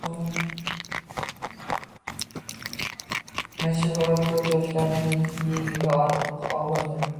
mishig’i va ko’z yoshlarini yengiga artib, ovundi.